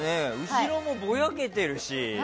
後ろもぼやけてるし。